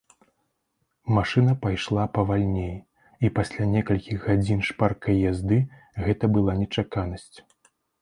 Машына пайшла павальней, і пасля некалькіх гадзін шпаркай язды гэта была нечаканасць.